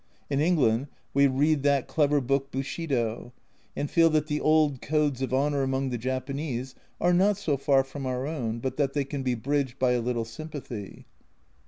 In England we read that clever book Bushido, and feel that the old codes of honour among the Japanese are not so far from our own but that they can be bridged by a little sympathy.